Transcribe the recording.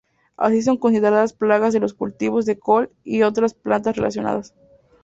Así son consideradas plagas de los cultivos de col y otras plantas relacionadas.